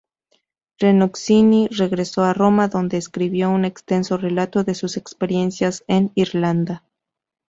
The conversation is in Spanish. Rinuccini regresó a Roma, donde escribió un extenso relato de sus experiencias en Irlanda.